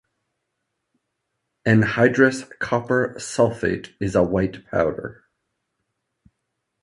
Anhydrous copper sulfate is a white powder.